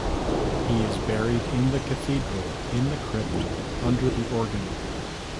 He is buried in the Cathedral, in the crypt, under the organ.